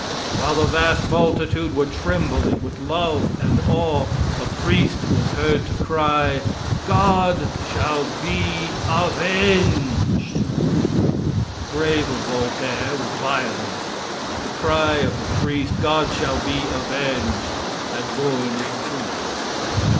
While the vast multitude were trembling with love and awe, a priest was heard to cry, "God shall be avenged!" The grave of Voltaire was violated. The cry of the priest, "God shall be avenged!" had borne its fruit.